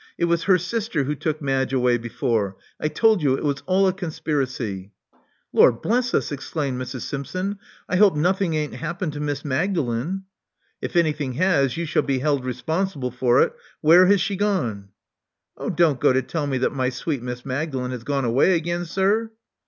It was her sister who took Madge away before. I told you it was all a conspiracy. " Lord bless us!*' exclaimed Mrs. Simpson. I hope nothing ain't happened to Miss Magdalen." If anything has, you shall be held responsible for it. Where has she gone?" Oh, don't go to tell me that my sweet Miss Magdalen has gone away again, sir!"